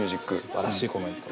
すばらしいコメント。